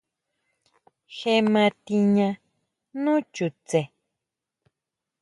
Je ma tiña nú chutse.